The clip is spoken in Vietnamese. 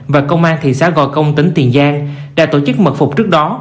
và công an thị xã gò công tỉnh tiền giang đã tổ chức mật phục trước đó